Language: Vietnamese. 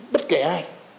bất kể ai